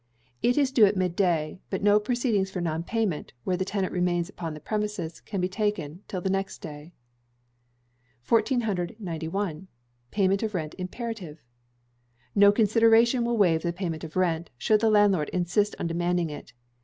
It is due at mid day; but no proceedings for non payment, where the tenant remains upon the premises, can be taken till the next day. 1491. Payment of Rent Imperative. No consideration will waive the payment of the rent, should the landlord insist on demanding it.